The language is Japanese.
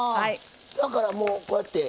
だからもうこうやって。